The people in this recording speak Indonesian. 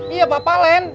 iya pak palen